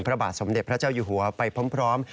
พระบาทสมเด็จพระเจ้าอยู่หัวไปพร้อม